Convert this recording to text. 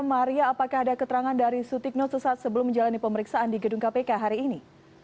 maria apakah ada keterangan dari sutikno sesaat sebelum menjalani pemeriksaan di gedung kpk hari ini